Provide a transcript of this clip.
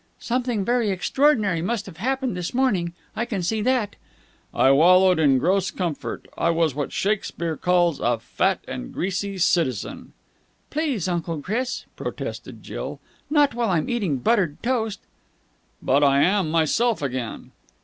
"Something very extraordinary must have happened this morning. I can see that." "I wallowed in gross comfort. I was what Shakespeare calls a 'fat and greasy citizen'!" "Please, Uncle Chris!" protested Jill. "Not while I'm eating buttered toast!" "But now I am myself again."